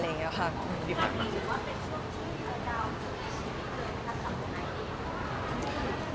หรือว่าเป็นช่วงที่เธอดาวน์สุดที่เกิดกับตัวไหนดี